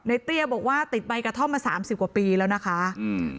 เตี้ยบอกว่าติดใบกระท่อมมาสามสิบกว่าปีแล้วนะคะอืม